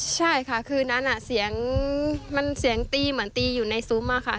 ใช่ค่ะคืนนั้นเสียงตีเหมือนตีอยู่ในซุฟมากค่ะ